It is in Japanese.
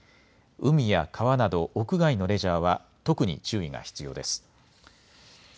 海や川など屋外のレジャーは特に注意が必要です。